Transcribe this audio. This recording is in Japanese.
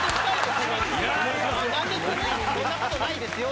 「そんなことないですよ」でいい。